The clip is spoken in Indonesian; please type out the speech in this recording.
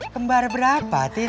kembar berapa tin